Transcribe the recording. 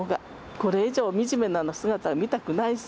これ以上、みじめな姿は見たくないし。